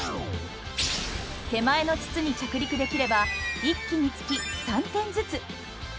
手前の筒に着陸できれば１機につき３点ずつ。